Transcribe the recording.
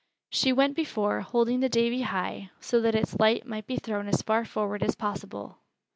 She went before, holding the Davy high, so that its light might be thrown as far forward as possible.